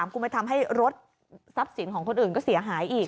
คุณไปทำให้รถทรัพย์สินของคนอื่นก็เสียหายอีก